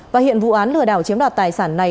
và hiện vụ án lừa đảo chiếm đoạt tài sản này